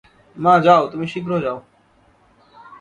মা, যাও তুমি শীঘ্র যাও।